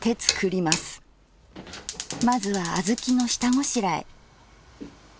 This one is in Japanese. まずは小豆の下ごしらえ。